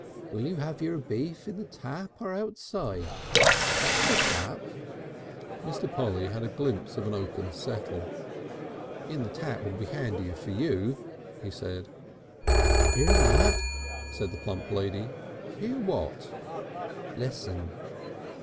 "Will you have your beef in the tap or outside? That's the tap." Mr. Polly had a glimpse of an oaken settle. "In the tap will be handier for you," he said. "Hear that?" said the plump lady. "Hear what?" "Listen."